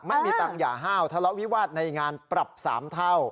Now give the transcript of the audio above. ไม่มีตังค์อย่าห้าวทะเลาะวิวาสในงานปรับ๓เท่า